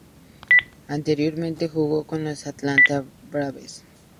Anteriormente jugó con los Atlanta Braves.